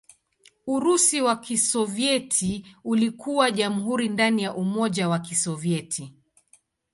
Urusi wa Kisovyeti ulikuwa jamhuri ndani ya Umoja wa Kisovyeti.